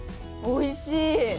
おいしい。